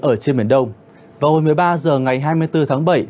ở trên biển đông vào hồi một mươi ba h ngày hai mươi bốn tháng bảy